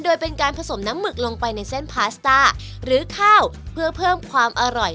โดยเป็นการผสมน้ำหมึกลงไปในเส้นพาสต้าหรือข้าวเพื่อเพิ่มความอร่อย